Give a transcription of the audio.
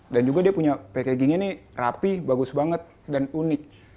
dan juga dia punya packaging nya nih rapi bagus banget dan unik